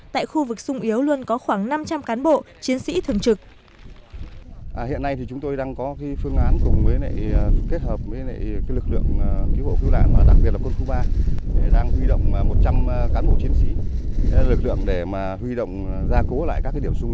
tại khu vực sung yếu luôn có khoảng năm trăm linh cán bộ chiến sĩ thường trực